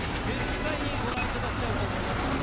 絶対にご覧いただきたいと思います。